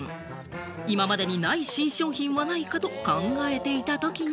今までにない新商品はないかと考えていたときに。